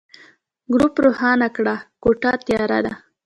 ګروپ روښانه کړه، کوټه تياره ده.